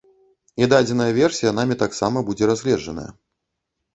І дадзеная версія намі таксама будзе разгледжаная.